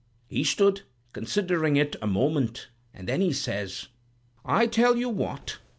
"He stood considering it a moment, and then he says: 'I tell you what.